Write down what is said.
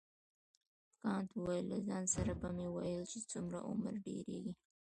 کانت وویل له ځان سره به مې ویل چې څومره عمر ډیریږي.